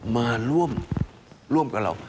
มาร่วมกับเรา